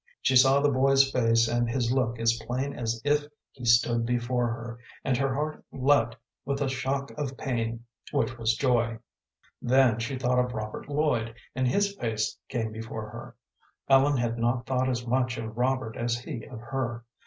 She saw the boy's face and his look as plain as if he stood before her, and her heart leaped with a shock of pain which was joy. Then she thought of Robert Lloyd, and his face came before her. Ellen had not thought as much of Robert as he of her.